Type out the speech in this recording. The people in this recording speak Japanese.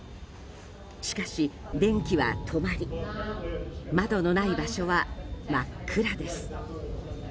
しかし、電気は止まり窓のない場所は真っ暗です。